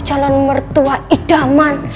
calon mertua idaman